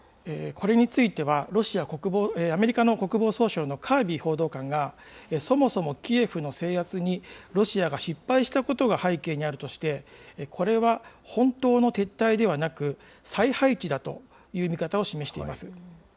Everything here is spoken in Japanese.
これについては、アメリカの国防総省のカービー報道官が、そもそもキエフの制圧にロシアが失敗したことが背景にあるとして、これは本当の撤退ではなく、再配置だという見方を示しています。